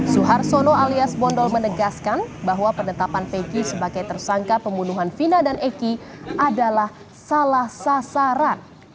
suhartono alias bondol menegaskan bahwa penetapan peggy sebagai tersangka pembunuhan vina dan eki adalah salah sasaran